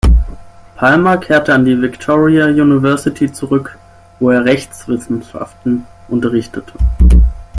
Palmer kehrte an die Victoria University zurück, wo er Rechtswissenschaften unterrichtete.